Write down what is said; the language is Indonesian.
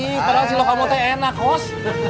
ihh padahal si lokal motel enak kos